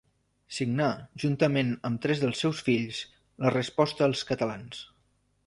Signà, juntament amb tres dels seus fills, la Resposta als Catalans.